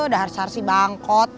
dah harus harus bangkot